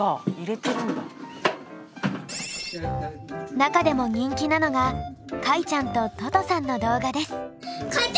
中でも人気なのがかいちゃんとととさんの動画です。